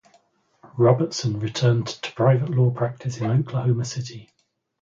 Robertson returned to private law practice in Oklahoma City.